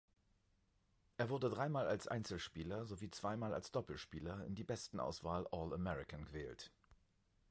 Er wurde dreimal als Einzelspieler sowie zweimal als Doppelspieler in die Bestenauswahl All-American gewählt.